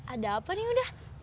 ada apa nih udhassam